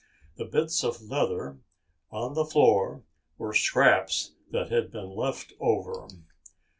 The bits of leather on the floor were scraps that had been left over.